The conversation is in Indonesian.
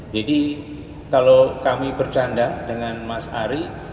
jadi kalau kami bercanda dengan mas ari